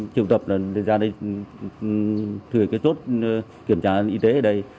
triều tập ra đây thử cái chốt kiểm tra y tế ở đây